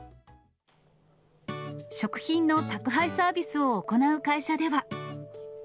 食品の宅配サービスを行う会社では。